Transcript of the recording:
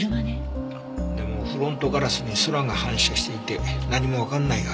でもフロントガラスに空が反射していて何もわからないよ。